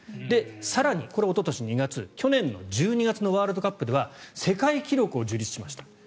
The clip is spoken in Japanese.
で、更にこれ、おととし２月去年１２月のワールドカップでは世界記録を樹立しました。